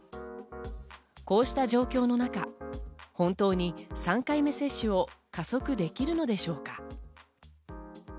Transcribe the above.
こうした状況の中、本当に３回目接種を加速できるのでしょうか？